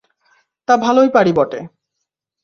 তা ভালোই পারি বটে।